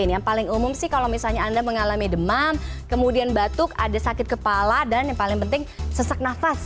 yang paling umum sih kalau misalnya anda mengalami demam kemudian batuk ada sakit kepala dan yang paling penting sesak nafas